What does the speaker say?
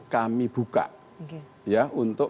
kami buka ya untuk